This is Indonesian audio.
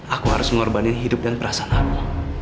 aku harus mengorbanin hidup dan perasaan aku